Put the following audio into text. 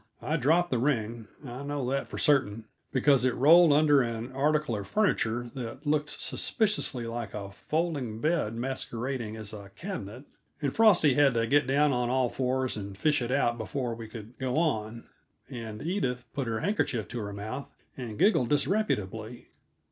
I dropped the ring, I know that for certain, because it rolled under an article of furniture that looked suspiciously like a folding bed masquerading as a cabinet, and Frosty had to get down on all fours and fish it out before we could go on. And Edith put her handkerchief to her mouth and giggled disreputably.